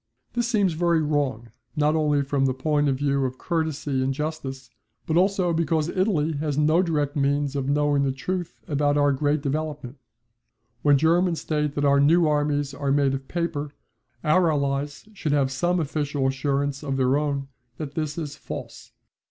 This seems very wrong not only from the point of view of courtesy and justice, but also because Italy has no direct means of knowing the truth about our great development. When Germans state that our new armies are made of paper, our Allies should have some official assurance of their own that this is false.